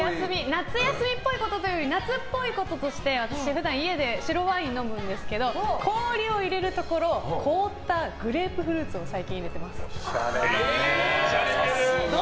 夏休みっぽいことというより夏っぽいこととして私、普段家で白ワインを飲むんですけど氷を入れるところを凍ったグレープフルーツをしゃれてる！